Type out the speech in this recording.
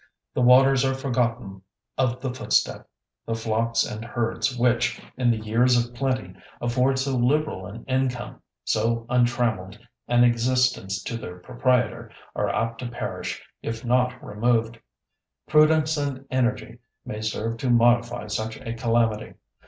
The waters are "forgotten of the footstep"; the flocks and herds which, in the years of plenty, afford so liberal an income, so untrammelled an existence to their proprietor, are apt to perish if not removed. Prudence and energy may serve to modify such a calamity.